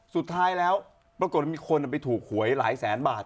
สุดท้ายแล้วปรากฏว่ามีคนไปถูกหวยหลายแสนบาท